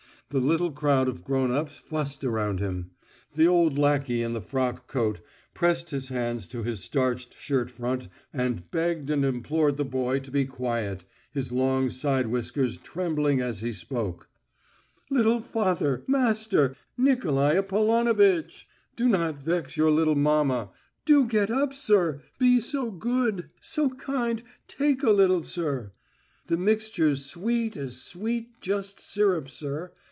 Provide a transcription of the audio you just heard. The little crowd of grown ups fussed around him. The old lackey in the frock coat pressed his hands to his starched shirt front and begged and implored the boy to be quiet, his long side whiskers trembling as he spoke: "Little father, master!... Nikolai Apollonovitch!... Do not vex your little mamma. Do get up, sir; be so good, so kind take a little, sir. The mixture's sweet as sweet, just syrup, sir.